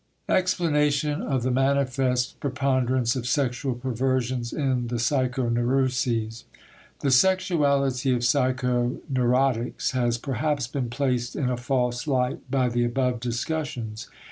EXPLANATION OF THE MANIFEST PREPONDERANCE OF SEXUAL PERVERSIONS IN THE PSYCHONEUROSES The sexuality of psychoneurotics has perhaps been placed in a false light by the above discussions.